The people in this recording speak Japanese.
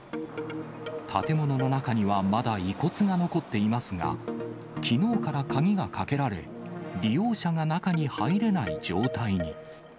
建物の中にはまだ遺骨が残っていますが、きのうから鍵がかけられ、利用者が中に入れない状態に。